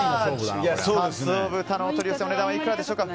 鰹豚のお取り寄せお値段はいくらでしょうか。